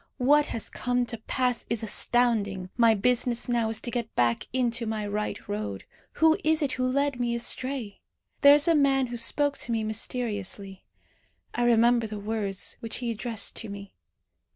What has come to pass is astounding. My business now is to get back into my right road. Who is it who led me astray? There is a man who spoke to me mysteriously. I remember the words which he addressed to me.